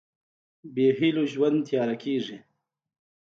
بېهيلو ژوند تیاره کېږي.